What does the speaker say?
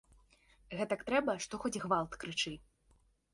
Гэтак трэба, што хоць гвалт крычы.